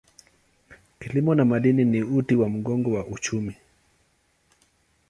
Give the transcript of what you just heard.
Kilimo na madini ni uti wa mgongo wa uchumi.